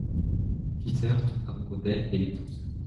Peter tombe amoureux d'elle et l'épouse.